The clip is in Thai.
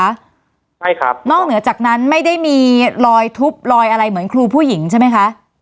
ใช่ครับนอกเหนือจากนั้นไม่ได้มีรอยทุบรอยอะไรเหมือนครูผู้หญิงใช่ไหมคะ